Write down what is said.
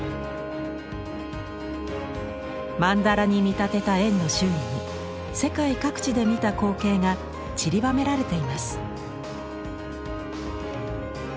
曼荼羅に見立てた円の周囲に世界各地で見た光景がちりばめられています。